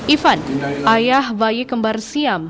ivan ayah bayi kembar siam